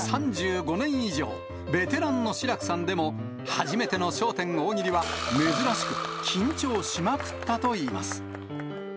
３５年以上、ベテランの志らくさんでも、初めての笑点大喜利は、珍しく緊張しまくったといいます。